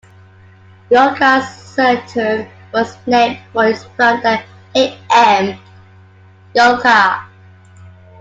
Lyulka-Saturn was named for its founder, A. M. Lyulka.